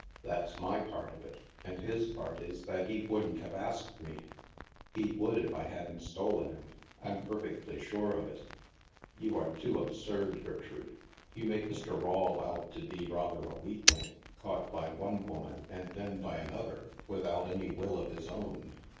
That's my part of it. And his part is that he woudn't have asked me." " He would if I hadn't stolen him. I'm perfectly sure of it." " You are too absurd, Gertrude. You make Mr. Rawle out to be rather a weakling, caught by one woman and then by another, without any will of his own.